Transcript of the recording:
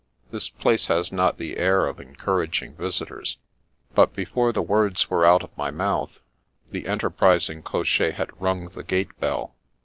" This place has not the air of encouraging visitors ;" but, before the words were out of my mouth, the enter prising cocker had rung the gate bell.